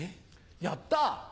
やった。